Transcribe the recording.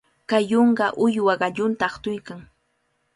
Kay yunka uywa qallunta aqtuykan.